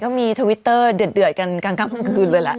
ก็มีทวิตเตอร์เดือดกันคลั้งคลังคืนเลยล่ะ